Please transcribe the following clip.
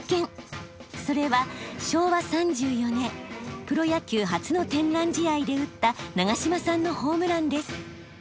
それは昭和３４年プロ野球初の天覧試合で打った長嶋さんのホームランです。